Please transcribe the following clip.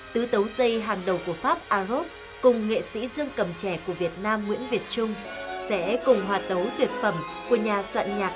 tứ xây hàng đầu của pháp arov cùng nghệ sĩ dương cầm trẻ của việt nam nguyễn việt trung sẽ cùng hòa tấu tuyệt phẩm của nhà soạn nhạc